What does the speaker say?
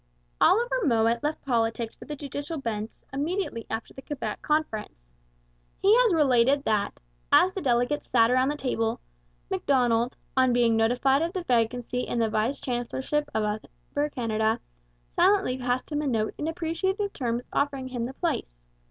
Oliver Mowat left politics for the judicial bench immediately after the Quebec Conference. He has related that, as the delegates sat round the table, Macdonald, on being notified of the vacancy in the vice chancellorship of Upper Canada, silently passed him a note in appreciative terms offering him the place.